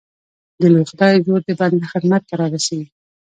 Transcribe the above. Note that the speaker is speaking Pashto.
د لوی خدای زور د بنده خدمت ته را رسېږي